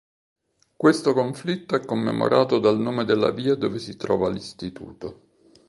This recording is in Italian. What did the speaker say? Questo conflitto è commemorato dal nome della via dove si trova l'Istituto.